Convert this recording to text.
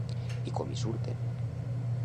I com hi surten?